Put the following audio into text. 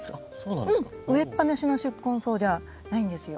植えっぱなしの宿根草じゃないんですよ。